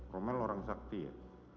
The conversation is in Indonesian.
romel orang sakti ya